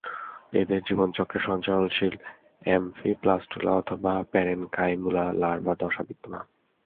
এদের জীবনচক্রে সঞ্চারনশীল এমফিব্লাস্টুলা অথবা প্যারেনকাইমুলা লার্ভা দশা বিদ্যমান।